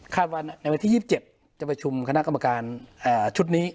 ว่าในวันที่๒๗จะประชุมคณะกรรมการชุดนี้